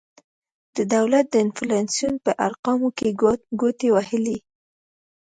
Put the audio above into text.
د دولت د انفلاسیون په ارقامو کې ګوتې وهلي.